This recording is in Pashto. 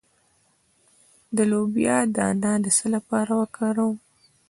د لوبیا دانه د څه لپاره وکاروم؟